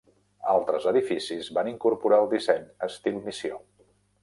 Altres edificis van incorporar el disseny estil missió.